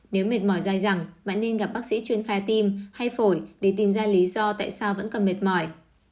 nếu mệt mỏi dài dẳng bạn nên gặp bác sĩ chuyên khoa tim hay phổi để tìm ra lý do tại sao vẫn còn mệt mỏi